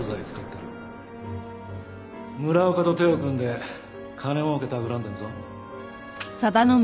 村岡と手を組んで金儲けたくらんでるぞ。